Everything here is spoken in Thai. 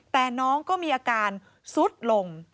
แต่น้องก็มีอาการซุดลง